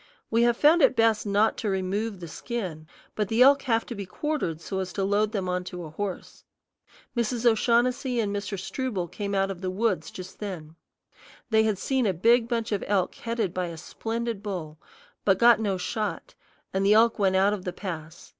We have found it best not to remove the skin, but the elk have to be quartered so as to load them on to a horse. Mrs. O'Shaughnessy and Mr. Struble came out of the woods just then. They had seen a big bunch of elk headed by a splendid bull, but got no shot, and the elk went out of the pass.